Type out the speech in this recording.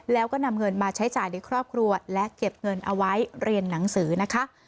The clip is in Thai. แล้วก็นำเงินมาใช้จ่ายในครอบครัวและเก็บเงินเอาไว้เรียนหนังสือนะคะ